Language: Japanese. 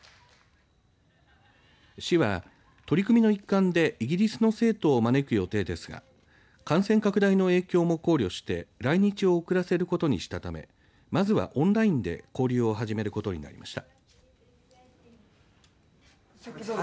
市は、取り組みの一環でイギリスの生徒を招く予定ですが感染拡大の影響も考慮して来日を遅らせることにしたためまずはオンラインで交流を始めることになりました。